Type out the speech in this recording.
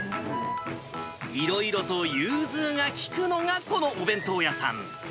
いろいろと融通が利くのがこのお弁当屋さん。